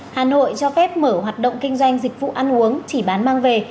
hà nội cho phép mở hoạt động kinh doanh dịch vụ ăn uống chỉ bán mang về